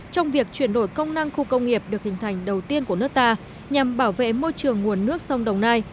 trong việc chuyển đổi công năng khu công nghiệp được hình thành đầu tiên của nước ta nhằm bảo vệ môi trường nguồn nước sông đồng nai